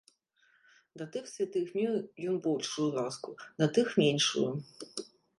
Да тых святых меў ён большую ласку, да тых меншую.